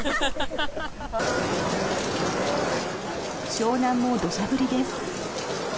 湘南も土砂降りです。